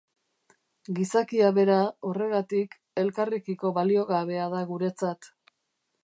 Gizakia bera, horregatik, elkarrekiko baliogabea da guretzat.